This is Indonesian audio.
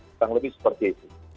setengah lebih seperti itu